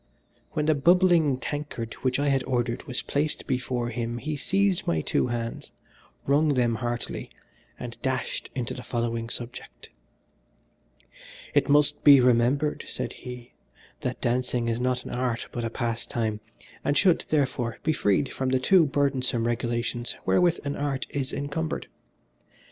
When the bubbling tankard which I had ordered was placed before him he seized my two hands, wrung them heartily and dashed into the following subject "It must be remembered," said he, "that dancing is not an art but a pastime, and should, therefore, be freed from the too burdensome regulations wherewith an art is encumbered.